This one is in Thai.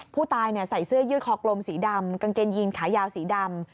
ผู้ตายใส่เสื้อยืดคอกลมสีดำกางเกงยีนขายาวสีดำ